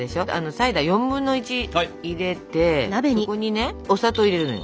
サイダー４分の１入れてそこにねお砂糖を入れるのよ。